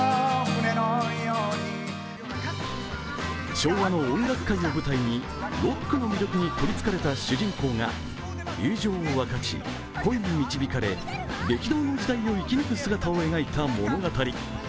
昭和の音楽界を舞台にロックの魅力にとりつかれた主人公が友情を分かち、恋に導かれ、激動の時代を生き抜く姿を描いた物語。